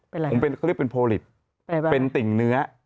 เพราะเขาเรียกเป็นเป็นสิ่งเนื้อ